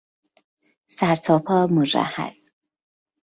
سرتاپا مجهز